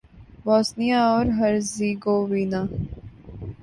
Bosnia اور Herzegovina